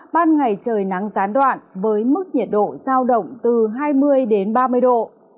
ban ngày trời nắng gián đoạn với mức nhiệt độ giao động từ hai mươi ba mươi độ